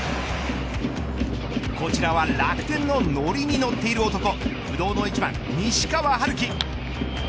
こちらは楽天ののりに乗っている男不動の１番、西川遥輝。